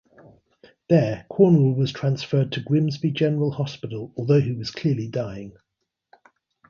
There Cornwell was transferred to Grimsby General Hospital, although he was clearly dying.